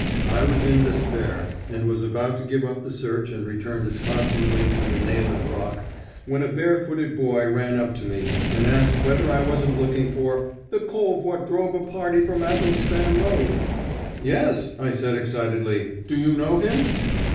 I was in despair, and was about to give up the search and return disconsolately to the Nayland Rock, when a bare footed boy ran up to me, and asked whether I wasn't looking for "the cove wot drove a party from Athelstan Road." "Yes," I said excitedly. "Do you know him?"